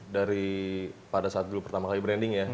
dari pada saat dulu pertama kali branding ya